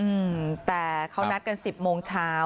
อืมแต่เขานัดกันสิบโมงเช้า